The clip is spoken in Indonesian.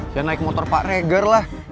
saya naik motor pak reger lah